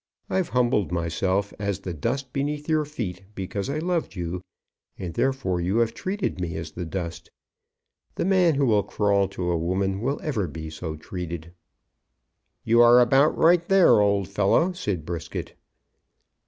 I've humbled myself as the dust beneath your feet, because I loved you, and, therefore, you have treated me as the dust. The man who will crawl to a woman will ever be so treated." "You are about right there, old fellow," said Brisket.